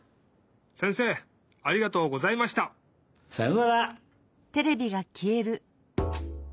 せんせいありがとうございました！さようなら！